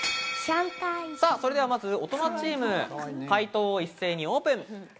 それでは、まず大人チーム、解答を一斉にオープン。